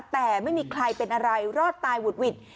แต่ไม่มีใครเป็นอะไรรอดตายหุดหวิด